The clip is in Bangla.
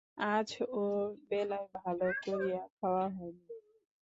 আজ ও বেলায় ভালো করিয়া খাওয়া হয় নাই।